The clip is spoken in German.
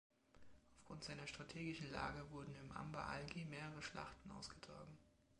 Aufgrund seiner strategischen Lage wurden in Amba Algi mehrere Schlachten ausgetragen.